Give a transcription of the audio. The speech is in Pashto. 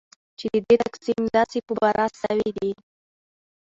چې ددې تقسیم داسي په بره سویدي